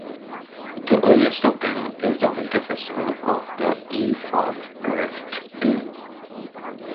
The earliest of them is the winter festival of the Eve of Twelfth Day.